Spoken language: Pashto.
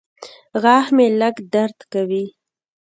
غاښ مې لږ درد کوي.